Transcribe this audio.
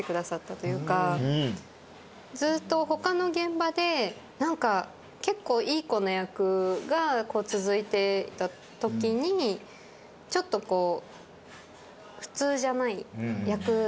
ずっと他の現場で結構いい子の役が続いてたときにちょっとこう。